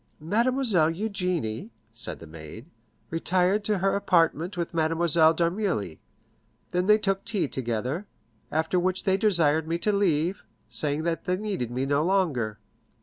"Mademoiselle Eugénie," said the maid, "retired to her apartment with Mademoiselle d'Armilly; they then took tea together, after which they desired me to leave, saying that they needed me no longer."